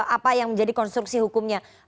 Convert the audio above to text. apa yang menjadi konstruksi hukumnya